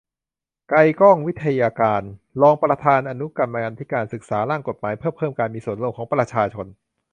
ไกลก้อง ไวทยการ รองประธานอนุกรรมาธิการศึกษา ร่างกฎหมายเพื่อเพิ่มการมีส่วนร่วมของประชาชน